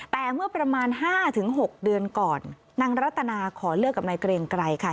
แต่เมื่อประมาณ๕๖เดือนก่อนนางรัตนาขอเลิกกับนายเกรงไกรค่ะ